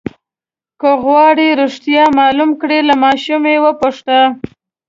که غواړئ رښتیا معلوم کړئ له ماشوم یې وپوښته.